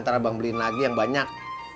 ntar abang beliin lagi yang banyak